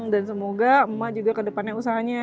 dan semoga emak juga ke depannya usahanya